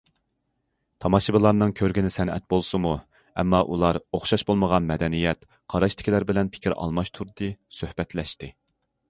تاماشىبىنلارنىڭ كۆرگىنى سەنئەت بولسىمۇ، ئەمما ئۇلار ئوخشاش بولمىغان مەدەنىيەت، قاراشتىكىلەر بىلەن پىكىر ئالماشتۇردى، سۆھبەتلەشتى.